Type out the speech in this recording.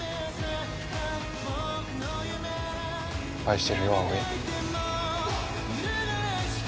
愛してるよ葵。